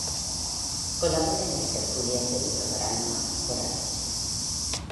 Colabora en las tertulias del programa Fort Apache.